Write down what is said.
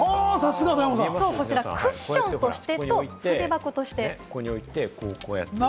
こちらクッションとしてと、筆箱として。